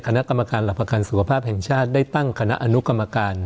คณะกรรมการหลักประกันสุขภาพแห่งชาติได้ตั้งคณะอนุกรรมการ